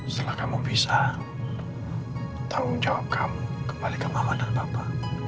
setelah kamu bisa tanggung jawab kamu kembali ke bawah dan bapak